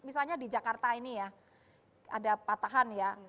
misalnya di jakarta ini ya ada patahan ya